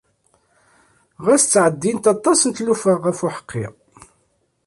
Ɣas ttɛeddint aṭas n tlufa ɣef uḥeqqi.